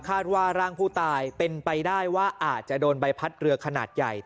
ร่างผู้ตายเป็นไปได้ว่าอาจจะโดนใบพัดเรือขนาดใหญ่